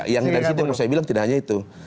yang dari situ kalau saya bilang tidak hanya itu